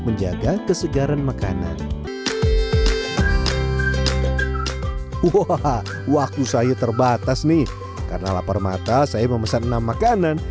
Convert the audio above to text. menjaga kesegaran makanan wah waktu saya terbatas nih karena lapar mata saya memesan enam makanan